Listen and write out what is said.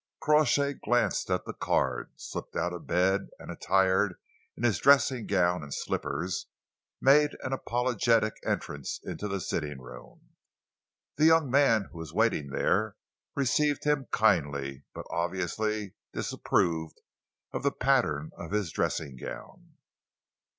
Crawshay glanced at the card, slipped out of bed, and, attired in his dressing gown and slippers, made an apologetic entrance into the sitting room. The young man who was waiting there received him kindly, but obviously disapproved of the pattern of his dressing gown.